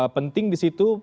penting di situ